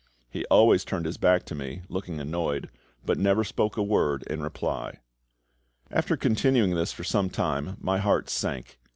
He always turned his back to me, looking annoyed, but never spoke a word in reply. After continuing this for some time, my heart sank.